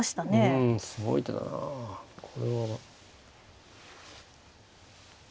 うんすごい手だなこれは。